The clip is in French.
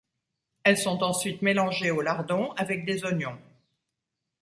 Elles sont ensuite mélangées aux lardons avec des oignons.